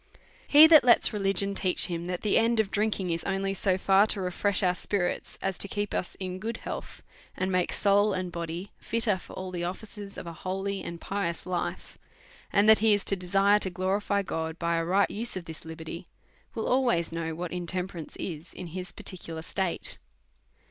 He that lets religion teach him that the end of drink ing is only so far to refresh our spirits as to keep us in good health, and make soul and body fitter fqr all the offices of a holy and pious life, and that he is to desire to glorify God by a right use of this liberty, will always know what intemperance is in his particu lar state.